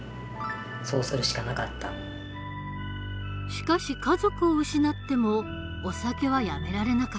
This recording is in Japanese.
しかし家族を失ってもお酒はやめられなかった。